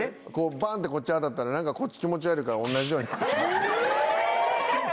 バンってこっち当たったら何かこっち気持ち悪いから同じように。